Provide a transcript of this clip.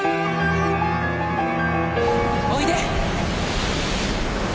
おいで！